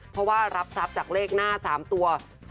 เพราะว่ารับทรัพย์จากเลขหน้า๓ตัว